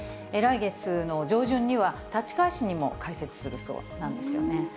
来月の上旬には、立川市にも開設するそうなんですよね。